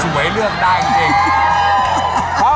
เลือกได้จริง